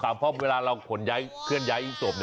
เพราะเวลาเราขนย้ายเคลื่อนย้ายศพ